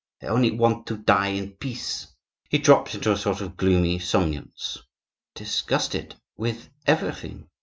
I only want to die in peace." He dropped into a sort of gloomy somnolence. "Disgusted with everything!"